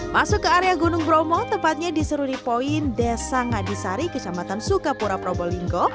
masuk ke area gunung bromo tepatnya di seruri poin desa ngadisari kecamatan sukapura probolinggo